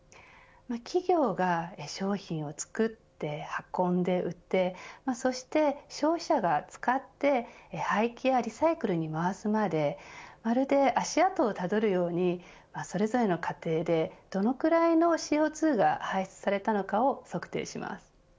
企業が商品を作って、運んで、売ってそして消費者が使って廃棄やリサイクルに回すまでまるで足跡をたどるようにそれぞれの過程でどのくらいのＣＯ２が排出されたのかを測定します。